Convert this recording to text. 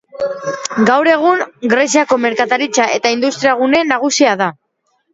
Gaur egun, Greziako merkataritza eta industriagune nagusia da.